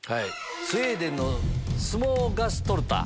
スウェーデンのスモーガストルタ。